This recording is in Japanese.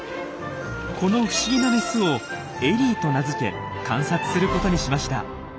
この不思議なメスを「エリー」と名付け観察することにしました。